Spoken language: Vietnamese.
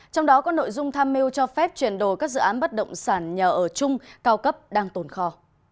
trong đó có nội dung tham mưu cho phép chuyển đổi các dự án bất động sản nhà ở chung cao cấp đang tồn kho